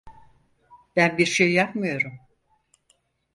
Ben bir şey yapmıyorum.